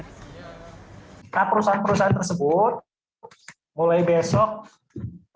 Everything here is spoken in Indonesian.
nah perusahaan perusahaan tersebut